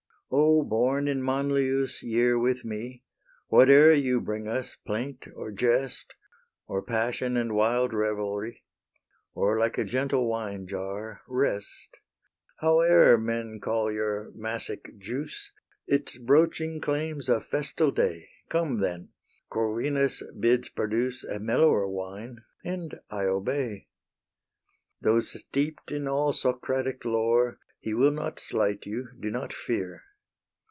O born in Manlius' year with me, Whate'er you bring us, plaint or jest, Or passion and wild revelry, Or, like a gentle wine jar, rest; Howe'er men call your Massic juice, Its broaching claims a festal day; Come then; Corvinus bids produce A mellower wine, and I obey. Though steep'd in all Socratic lore He will not slight you; do not fear.